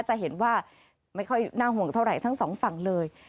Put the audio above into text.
จะเห็นว่าไม่ค่อยน่าห่วงเท่าไหร่ทั้งสองฝั่งเลย